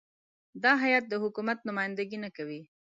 دا هیات د حکومت نمایندګي نه کوي.